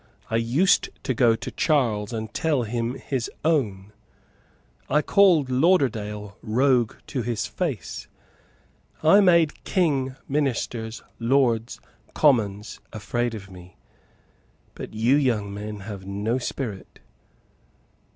I used to go to Charles and tell him his own. I called Lauderdale rogue to his face. I made King, Ministers, Lords, Commons, afraid of me. But you young men have no spirit."